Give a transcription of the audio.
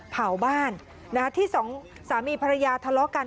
เผาบ้านที่สองสามีภรรยาทะเลาะกัน